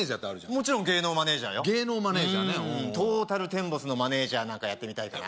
もちろん芸能マネージャーよ芸能マネージャーねトータルテンボスのマネージャーなんかやってみたいかな